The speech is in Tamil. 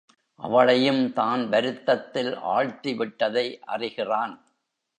அவளையும் தான் வருத்தத்தில் ஆழ்த்தி விட்டதை அறிகிறான்.